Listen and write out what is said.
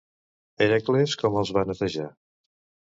Hèracles com els va netejar?